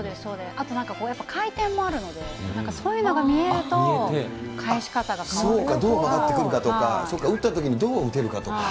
あと回転もあるので、なんかそういうのが見えると、そうか、どう曲がってくるかとか、そうか、打ったときにどう打てるかとか。